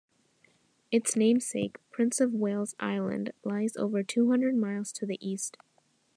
Its namesake, Prince of Wales Island, lies over two-hundred miles to the east.